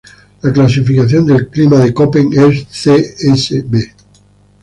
La clasificación del clima de Köppen es "Csb".